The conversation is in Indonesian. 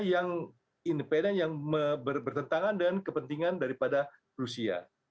yang bertentangan dengan kepentingan daripada rusia